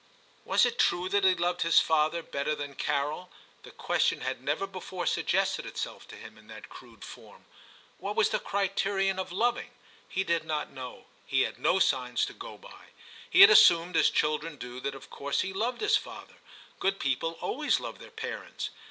Was it true that he loved his father better IX TIM 189 than Carol ? The question had never before suggested itself to him in that crude form. What was the criterion of loving ? He did not know ; he had no signs to go by. He had assumed, as children do, that of course he loved his father ; good people always love their parents.